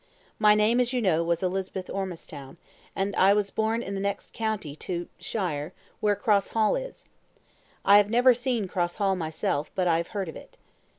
My name, as you know, was Elizabeth Ormistown, and I was born in the next county to shire, where Cross Hall is. I have never seen Cross Hall myself, but I have heard of it.